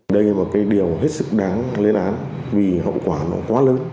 đây là một điều rất đáng lên án vì hậu quả quá lớn